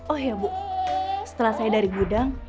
oke mbak geki gue taruh auch